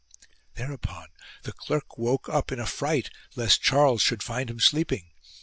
Thereupon the clerk woke up, in a fright lest Charles should find him sleeping.